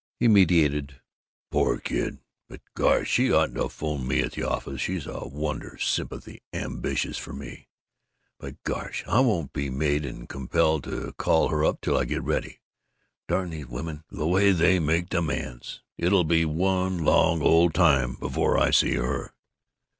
He meditated, "Poor kid!... But gosh, she oughtn't to 'phone me at the office.... She's a wonder sympathy 'ambitious for me.'... But gosh, I won't be made and compelled to call her up till I get ready. Darn these women, the way they make demands! It'll be one long old time before I see her!...